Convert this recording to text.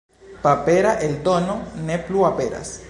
Papera eldono ne plu aperas.